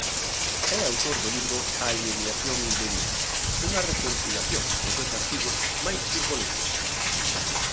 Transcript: É autor do libro 'Alienación indebida', unha recompilación dos seus artigos máis futboleiros.